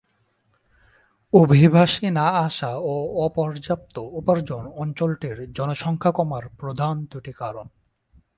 অভিবাসী না আসা ও অপর্যাপ্ত উপার্জন অঞ্চলটির জনসংখ্যা কমার প্রধান দুটি কারণ।